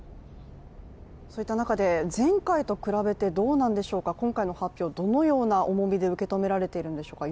そういった中で前回と比べてどうなんでしょうか、今回の発表はどのような重みで受け取られているのでしょうか？